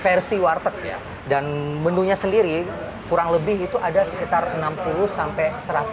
versi warteg dan menunya sendiri kurang lebih itu ada sekitar enam puluh sampai seratus